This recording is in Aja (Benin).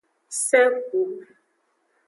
Sen ku.